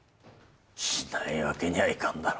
しないわけにはいかんだろ。